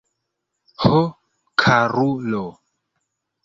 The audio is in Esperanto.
Ho, karulo!